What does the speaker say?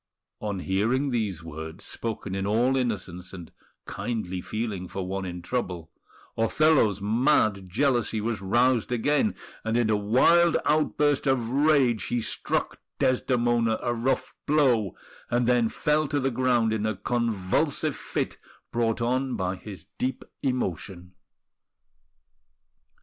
On hearing these words, spoken in all innocence and kindly feeling for one in trouble, Othello's mad jealousy was roused again; and in a wild outburst of rage he struck Desdemona a rough blow, and then fell to the ground in a convulsive fit brought on by his deep emotion.